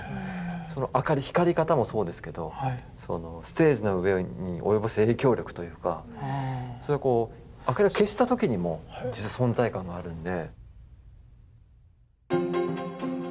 その光り方もそうですけどステージの上に及ぼす影響力というかあかりを消した時にも存在感があるんで。